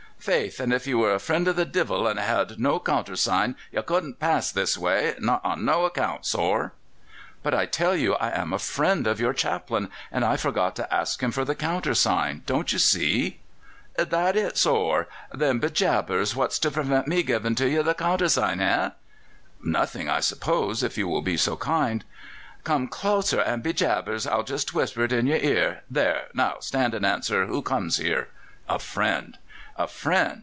"Faith! an' if ye were a friend of the divil and had no counthersign ye couldn't pass this way not on no account, sor." "But I tell you I am a friend of your chaplain, and I forgot to ask him for the countersign. Don't you see?" "Is that it, sor? Then, be jabers! what's to prevint me giving to ye the counthersign, eh?" "Nothing, I suppose, if you will be so kind." "Come closer, and, be jabers! I'll just whisper it in your ear. There! Now stand and answer. Who comes here?" "A friend." "A friend!